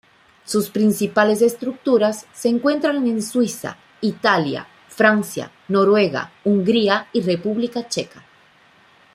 Sus principales estructuras se encuentran en Suiza, Italia, Francia, Noruega, Hungría y República Checa.